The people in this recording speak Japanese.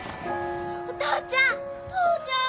お父ちゃん！